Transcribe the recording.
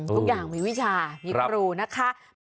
ทุกอย่างมีวิชามีครูนะคะ